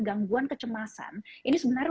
gangguan kecemasan ini sebenarnya